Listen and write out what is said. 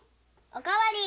お代わり！